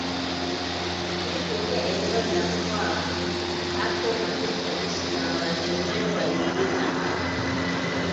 ili kuingia katika eneo la Mkwawa Hapo maafisa wa jeshi la Wajerumani waliolinda mpaka